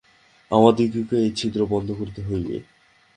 আমাদিগকেই ঐ ছিদ্র বন্ধ করিতে হইবে।